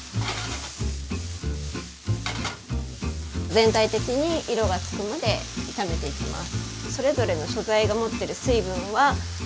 全体的に色がつくまで炒めていきます。